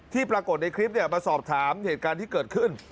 ปรากฏในคลิปมาสอบถามเหตุการณ์ที่เกิดขึ้น